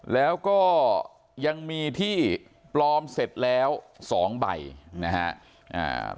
แล้วก็ยังมีที่ปลอมเสร็จแล้วสองใบนะฮะ